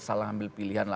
salah ambil pilihan